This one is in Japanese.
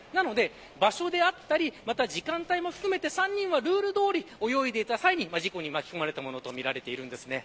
場所であったり時間帯も含めて３人はルールどおり泳いでいた際に事故に巻き込まれたとみられています。